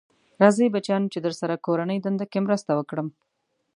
راځی بچیانو چې درسره کورنۍ دنده کې مرسته وکړم.